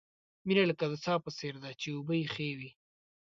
مینه لکه د څاه په څېر ده، چې اوبه یې ښې وي.